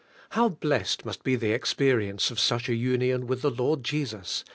' How blessed must be the experience of such a union with the Lord Jesus!